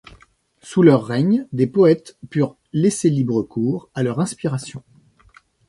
Sous leur règne, des poètes purent laisser libre cours à leur inspiration.